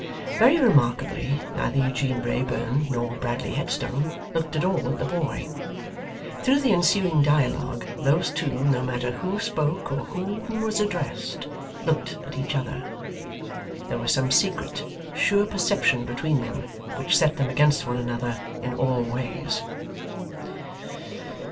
Very remarkably, neither Eugene Wrayburn nor Bradley Headstone looked at all at the boy. Through the ensuing dialogue, those two, no matter who spoke, or whom was addressed, looked at each other. There was some secret, sure perception between them, which set them against one another in all ways.